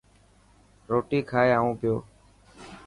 روٽي کائي اون پيو.